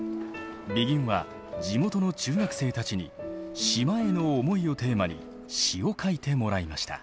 ＢＥＧＩＮは地元の中学生たちに「島への思い」をテーマに詩を書いてもらいました。